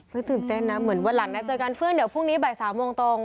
ตื่นเต้นนะเหมือนวันหลังนะเจอกันเฟื่องเดี๋ยวพรุ่งนี้บ่าย๓โมงตรง